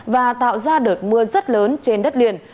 và tạo ra đợt mưa rất lớn trên đất liền